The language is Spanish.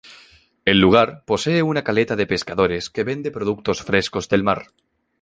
El lugar posee una caleta de pescadores que vende productos frescos del mar.